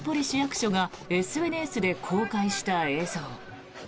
市役所がＳＮＳで公開した映像。